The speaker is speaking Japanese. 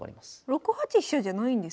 ６八飛車じゃないんですね。